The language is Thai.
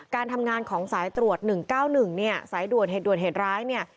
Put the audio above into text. การทำงานของสายตรวจ๑๙๑เนี่ยสายด่วนเหตุด่วนเหตุร้ายเนี่ย